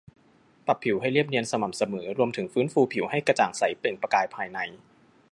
ปรับผิวให้เรียบเนียนสม่ำเสมอ รวมถึงฟื้นฟูผิวให้กระจ่างใสเปล่งประกายภายใน